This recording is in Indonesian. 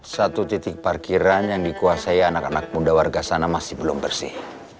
satu titik parkiran yang dikuasai anak anak muda warga sana masih belum bersih